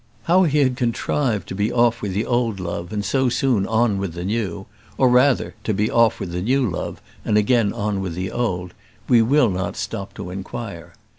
How he had contrived to be off with the old love and so soon on with the new, or rather, to be off with the new love and again on with the old, we will not stop to inquire.